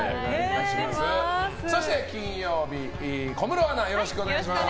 そして、金曜日小室アナ、よろしくお願いします。